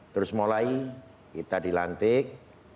terus mulai kita dilantik